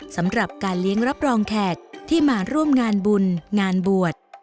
สำหรับการเลี้ยงรับรองแขกที่มาร่วมงานบุญงานบวช